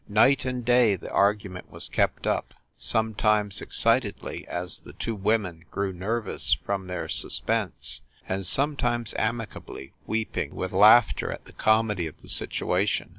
Night and day that argument was kept up, sometimes excitedly, as the two women grew nervous from their sus pense, and sometimes amicably weeping with laugh ter at the comedy of the situation.